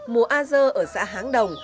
mùa a dơ ở xã háng đồng